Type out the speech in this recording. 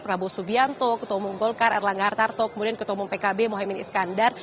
ketua umum soebianto ketua umum golkar erlangga hartarto kemudian ketua umum pkb mohaimin iskandar